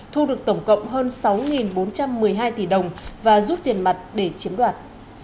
thu được tổng cộng hơn sáu bốn trăm một mươi hai tỷ đồng và rút tiền mặt để chiếm đoạt